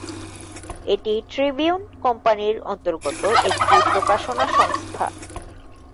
এটি ট্রিবিউন কোম্পানির অন্তর্গত একটি প্রকাশনা সংস্থা।